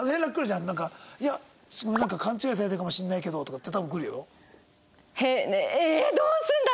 「ちょっとごめん勘違いされてるかもしれないけど」とかって多分くるよ。